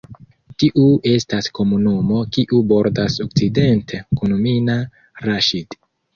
Tiu estas komunumo kiu bordas okcidente kun Mina Raŝid.